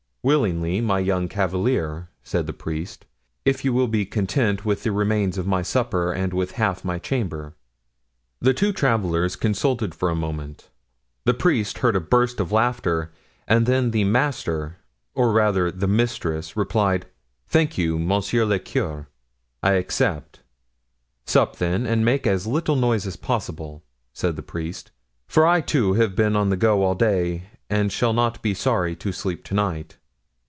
'Willingly, my young cavalier,' said the priest, 'if you will be content with the remains of my supper and with half my chamber.' "The two travelers consulted for a moment. The priest heard a burst of laughter and then the master, or rather, the mistress, replied: 'Thank you, monsieur le curé, I accept.' 'Sup, then, and make as little noise as possible,' said the priest, 'for I, too, have been on the go all day and shall not be sorry to sleep to night.